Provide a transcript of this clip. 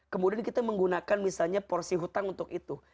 kemudian kita menggunakan misalnya porsi hutang untuk itu